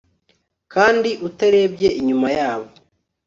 Kandi utarebye inyuma yabo